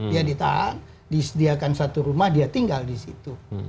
dia ditahan disediakan satu rumah dia tinggal di situ